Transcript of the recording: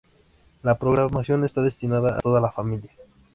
La programación está destinada a toda la familia.